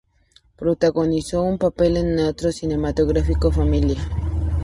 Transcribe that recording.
Protagonizó un papel en el corto cinematográfico "Familia".